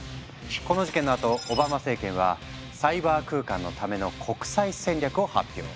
この事件のあとオバマ政権は「サイバー空間のための国際戦略」を発表。